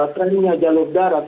trendnya jalur darat